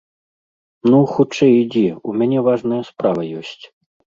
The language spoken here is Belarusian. Ну, хутчэй ідзі, у мяне важная справа ёсць!